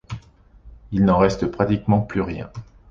Il n’en reste pratiquement plus rien.